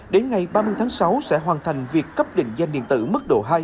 đến ngày ba mươi tháng sáu sẽ hoàn thành việc cấp định danh điện tử mức độ hai